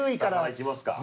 いきますか。